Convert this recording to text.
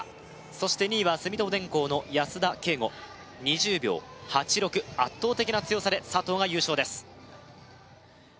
そして２位は住友電工の安田圭吾２０秒８６圧倒的な強さで佐藤が優勝です